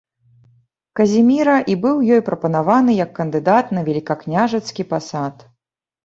Казіміра і быў ёй прапанаваны як кандыдат на велікакняжацкі пасад.